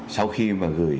sau khi mà gửi